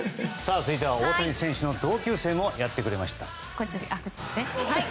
続いては大谷選手の同級生もやってくれました。